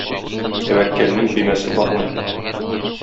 Тәвәккәлнең көймәсе батмый.